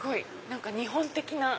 何か日本的な。